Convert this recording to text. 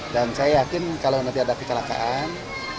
dan saya yakin kalau nanti ada kecelakaan